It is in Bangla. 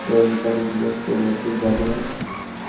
ললিতাকে জিজ্ঞাসা করিল, তুই যাবি নে?